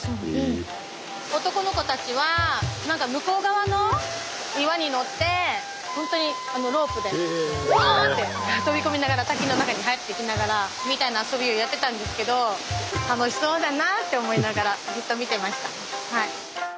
男の子たちは何か向こう側の岩に乗って本当にロープでうお！って飛び込みながら滝の中に入っていきながらみたいな遊びをやってたんですけど楽しそうだなって思いながらずっと見てました。